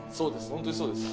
そうです。